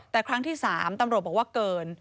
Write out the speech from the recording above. แต่ครั้งที่๓ตำรวจบอกว่าเกิน